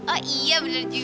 oh iya bener juga